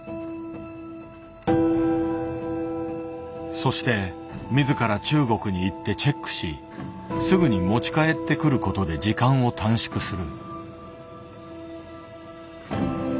そして自ら中国に行ってチェックしすぐに持ち帰ってくることで時間を短縮する。